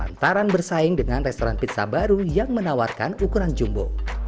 lantaran bersaing dengan restoran pizza baru yang menawarkan ukuran jumbo